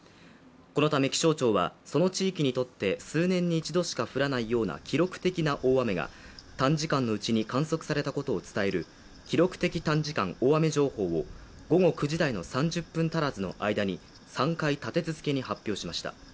このため気象庁は、その地域にとって数年に一度しか降らないような記録的な大雨が、短時間のうちに観測されたことを伝える記録的短時間大雨情報を午後９時台の３０分足らずの間に３回立て続けに発表しました。